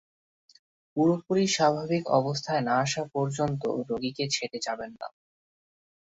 পুরোপুরি স্বাভাবিক অবস্থায় না আসা পর্যন্ত রোগীকে ছেড়ে যাবেন না।